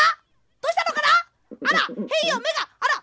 どうしたのかな？